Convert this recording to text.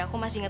aku masih ingat